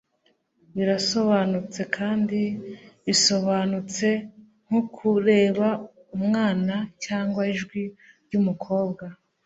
Birasobanutse kandi bisobanutse nkukureba umwana cyangwa ijwi ryumukobwa